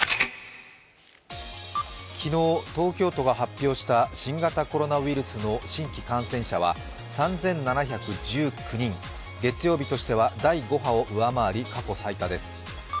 昨日、東京都が発表した新型コロナ感染者の新規感染者は３７１９人、月曜日として第５波を上回り、過去最多です。